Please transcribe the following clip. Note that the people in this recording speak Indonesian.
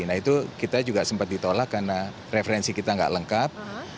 nah itu kita juga sempat ditolak karena referensi kita nggak lengkap